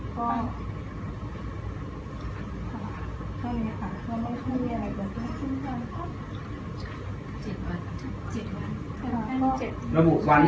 เจ็ดวันเจ็ดวันแล้วก็เจ็ดวันจ้างมาแล้วก็หลังจากนั้นอีก๓วัน